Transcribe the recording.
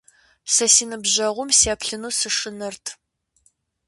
Сэ си ныбжьэгъум сеплъыну сышынэрт.